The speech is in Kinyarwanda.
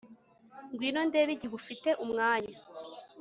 Ngwino ndebe igihe ufite umwanya